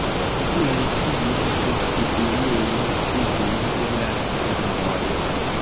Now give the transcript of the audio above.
Tiel tie restis neniu signo de la tomboj.